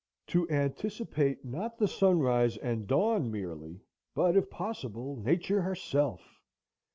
To anticipate, not the sunrise and the dawn merely, but, if possible, Nature herself!